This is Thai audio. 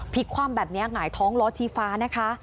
คว่ำแบบนี้หงายท้องล้อชี้ฟ้านะคะ